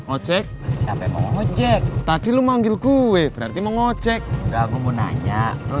ojek siapa yang ngecek tadi lu manggil gue berarti mau ngecek enggak gue mau nanya lu